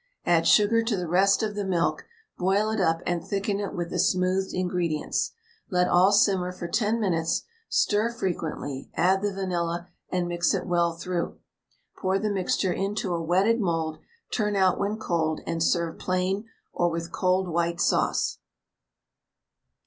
Add sugar to the rest of the milk, boil it up and thicken it with the smoothed ingredients. Let all simmer for 10 minutes, stir frequently, add the vanilla, and mix it well through. Pour the mixture into a wetted mould; turn out when cold, and serve plain or with cold white sauce.